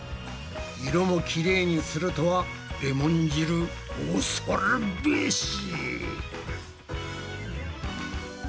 色もきれいにするとはレモン汁恐るべし！